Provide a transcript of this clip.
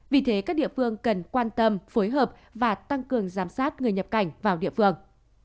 vì thế các địa phương cần quan tâm phối hợp và tăng cường giám sát người nhập cảnh vào địa phương